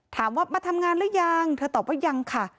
ถามว่ามาทำงานหรือยังเธอตอบว่ายังค่ะ